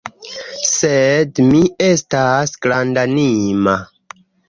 Sed mi estas grandanima.